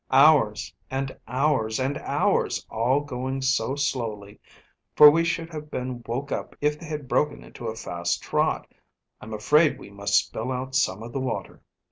Hours and hours and hours, all going so slowly, for we should have been woke up if they had broken into a fast trot. I'm afraid we must spill out some of the water."